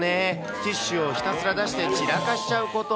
ティッシュをひたすら出して、散らかしちゃうこと。